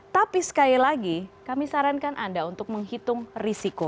tapi sekali lagi kami sarankan anda untuk menghitung risiko